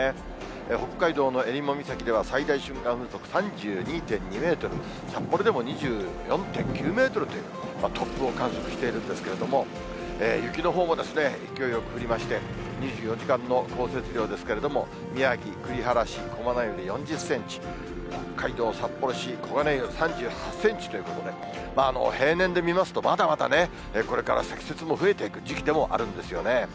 北海道のえりも岬では最大瞬間風速３２．２メートル、札幌でも２４．９メートルという突風を観測しているんですけれども、雪のほうもですね、勢いよく降りまして、２４時間の降雪量ですけれども、宮城・栗原市駒ノ湯で４０センチ、北海道札幌市小金湯３８センチということで、平年で見ますとまだまだこれから積雪も増えていく時期でもあるんですよね。